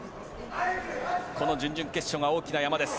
この準々決勝が大きな山です。